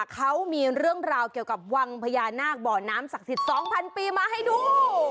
เขามีเรื่องราวเกี่ยวกับวังพญานาคบ่อน้ำศักดิ์สิทธิ์๒๐๐ปีมาให้ดู